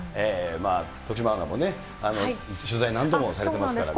まあ、徳島アナも取材何度もされてますからね。